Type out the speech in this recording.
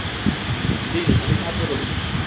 দিন, আমি সাহায্য করি।